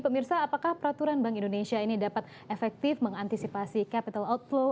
pemirsa apakah peraturan bank indonesia ini dapat efektif mengantisipasi capital outflow